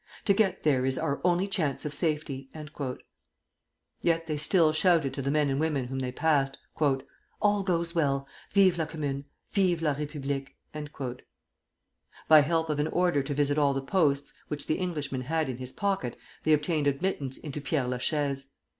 "To get there is our only chance of safety." Yet they still shouted to the men and women whom they passed, "All goes well! Vive la Commune! Vive la République!" By help of an order to visit all the posts, which the Englishman had in his pocket, they obtained admittance into Père la Chaise.